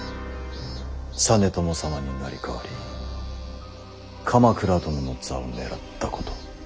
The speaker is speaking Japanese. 実朝様に成り代わり鎌倉殿の座を狙ったこと。